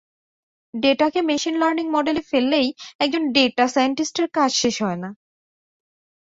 Data কে machine learning মডেলে ফেললেই একজন ডেটা সাইন্টিস্ট এর কাজ শেষ হয় না।